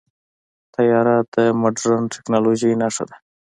طیاره د مدرن ټیکنالوژۍ نښه ده.